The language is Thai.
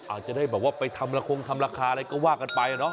อาจจะได้แบบว่าไปทำละคงทำราคาอะไรก็ว่ากันไปเนาะ